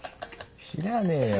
知らねえよ